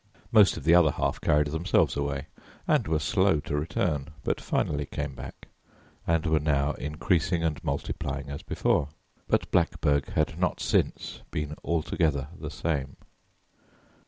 Most of the other half carried themselves away and were slow to return, but finally came back, and were now increasing and multiplying as before, but Blackburg had not since been altogether the same.